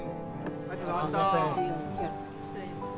ありがとうございます。